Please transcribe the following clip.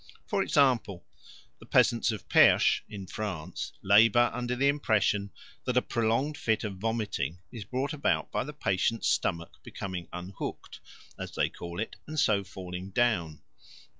For example, the peasants of Perche, in France, labour under the impression that a prolonged fit of vomiting is brought about by the patient's stomach becoming unhooked, as they call it, and so falling down.